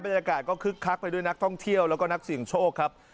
บรรยากาศก็คึกคักไปด้วยนักท่องเที่ยวแล้วก็นักเสี่ยงโชคครับ